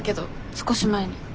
少し前に。